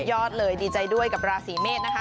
ยอดเลยดีใจด้วยกับราศีเมษนะคะ